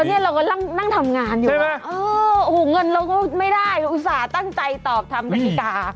เนี่ยเรากำลังนั่งทำงานอยู่นะเออโอ้โหเงินเราก็ไม่ได้อุตส่าห์ตั้งใจตอบทำกติกา